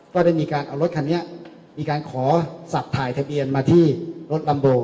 ก็ได้มีการเอารถคันนี้มีการขอสับถ่ายทะเบียนมาที่รถลัมโบ